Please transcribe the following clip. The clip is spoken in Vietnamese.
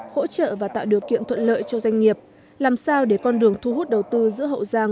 hỗ trợ và tạo điều kiện thuận lợi cho doanh nghiệp làm sao để con đường thu hút đầu tư giữa hậu giang